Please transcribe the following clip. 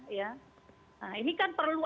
ya ini kan perlu